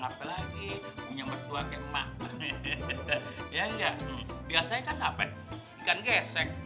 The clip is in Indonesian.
apa lagi punya bertuah kayak emak ya nggak biasanya kan dapat ikan gesek